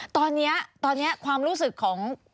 ตอนนี้ความรู้สึกของ